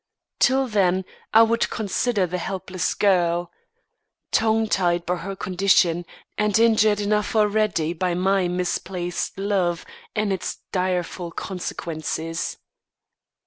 Till then, I would consider the helpless girl, tongue tied by her condition, and injured enough already by my misplaced love and its direful consequences.